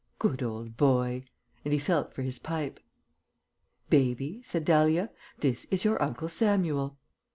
"Good old boy," and he felt for his pipe. "Baby," said Dahlia, "this is your Uncle Samuel."